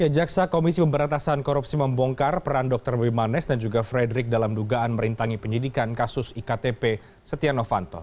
jaksa komisi pemberantasan korupsi membongkar peran dr bimanes dan juga frederick dalam dugaan merintangi penyidikan kasus iktp setia novanto